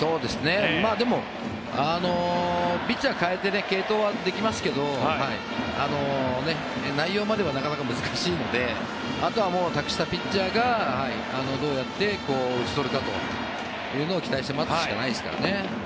でも、ピッチャーを代えて継投はできますけど内容まではなかなか難しいのであとは託したピッチャーがどうやって打ち取るかというのを期待して待つしかないですからね。